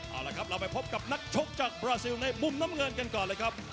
เอาละครับเราไปพบกับนักชกจากบราซิลในมุมน้ำเงินกันก่อนเลยครับ